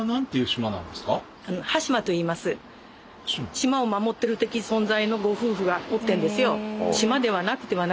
島を守ってる的存在のご夫婦がおってんですよ。